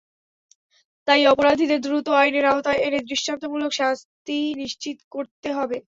তাই অপরাধীদের দ্রুত আইনের আওতায় এনে দৃষ্টান্তমূলক শাস্তি নিশ্চিত করতে হবে।